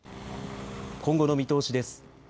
今後の見通しです。